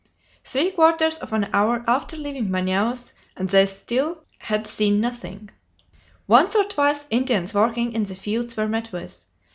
Three quarters of an hour after leaving Manaos, and still they had seen nothing! Once or twice Indians working in the fields were met with.